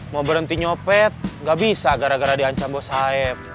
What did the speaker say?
mau berhenti nyopet nggak bisa gara gara diancam boshab